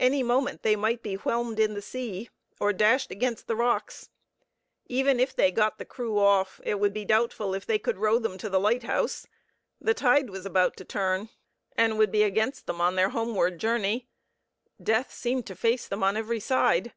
Any moment they might be whelmed in the sea or dashed against the rocks. Even if they got the crew off, it would be doubtful if they could row them to the lighthouse; the tide was about to turn, and would be against them on their homeward journey; death seemed to face them on every side.